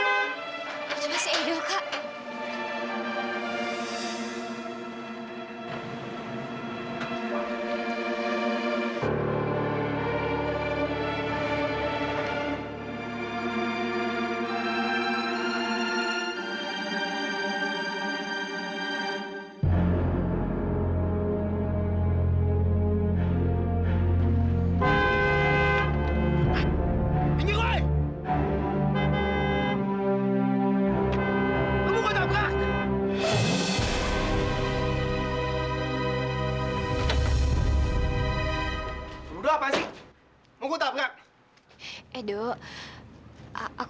itu masih edo kak